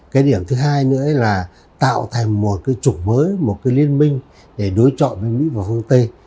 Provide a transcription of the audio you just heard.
cái điểm thứ hai nữa là tạo thành một cái chủng mới một cái liên minh để đối trọi với mỹ và phương tây